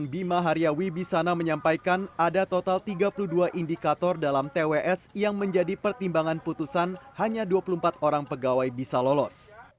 bima hariawi bisana menyampaikan ada total tiga puluh dua indikator dalam tws yang menjadi pertimbangan putusan hanya dua puluh empat orang pegawai bisa lolos